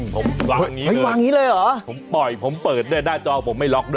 ผมวางอย่างนี้เลยผมปิ๊บได้จอผมไม่ล็อกด้วย